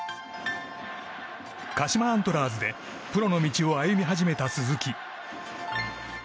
鹿島アントラーズでプロの道を歩み始めた鈴木。